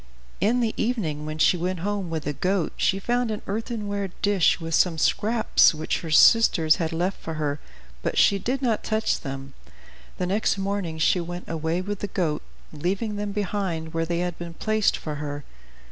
In the evening, when she went home with the goat, she found an earthenware dish with some scraps which her sisters had left for her, but she did not touch them. The next morning she went away with the goat, leaving them behind where they had been placed for her.